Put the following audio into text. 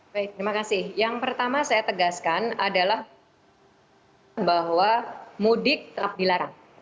baik terima kasih yang pertama saya tegaskan adalah bahwa mudik tetap dilarang